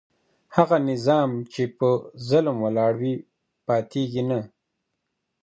هغه نظام چي په ظلم ولاړ وي پاتیږي نه.